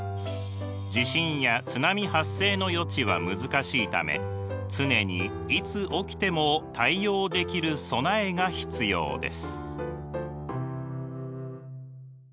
地震や津波発生の予知は難しいため常にいつ起きても対応できる備えが必要です。